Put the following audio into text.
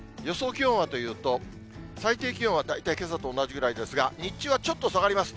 気温はというと、最低気温は大体けさと同じぐらいですが、日中はちょっと下がります。